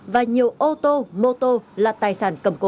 và nhiều ô tô mô tô là tài sản cầm cố